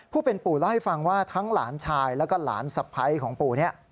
ผู้เป็นปู่เล่าให้ฟังว่าทั้งหลานชายแล้วก็หลานสะพ้ายของปู่นี้